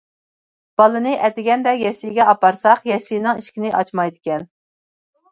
بالىنى ئەتىگەندە يەسلىگە ئاپارساق، يەسلىنىڭ ئىشىكىنى ئاچمايدىكەن.